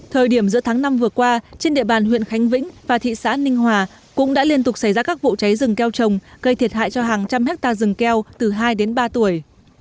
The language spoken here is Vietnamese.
thời điểm giữa tháng năm vừa qua trên địa bàn huyện khánh vĩnh và thị xã ninh hòa cũng đã liên tục xảy ra các vụ cháy rừng keo trồng gây thiệt hại cho hàng trăm hectare rừng keo từ hai đến ba tuổi